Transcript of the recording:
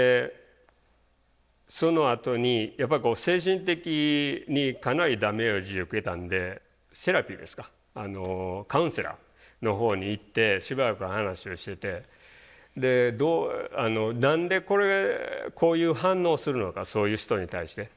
そのあとにやっぱりこう精神的にかなりダメージを受けたんでセラピーですかカウンセラーのほうに行ってしばらくは話をしてて何でこれこういう反応をするのかそういう人に対して。